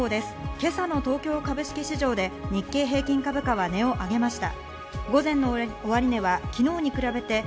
今朝の東京株式市場で日経平均株価は値を上げました。